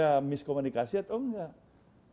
mbak mega miskomunikasi atau enggak